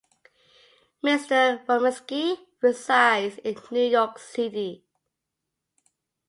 Mr. Ruminski resides in New York City.